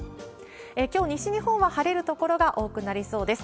きょう、西日本は晴れる所が多くなりそうです。